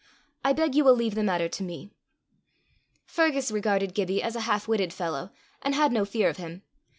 I beg you will leave the matter to me." Fergus regarded Gibbie as a half witted fellow, and had no fear of him.